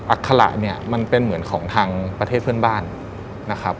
อัคละเนี่ยมันเป็นเหมือนของทางประเทศเพื่อนบ้านนะครับ